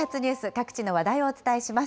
各地の話題をお伝えします。